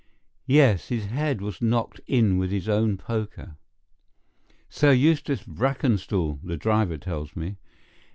"Yes, his head was knocked in with his own poker." "Sir Eustace Brackenstall, the driver tells me."